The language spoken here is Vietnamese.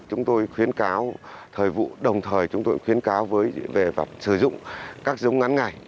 chúng tôi khuyến cáo thời vụ đồng thời chúng tôi khuyến cáo về sử dụng các giống ngắn ngày